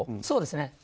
そうですね。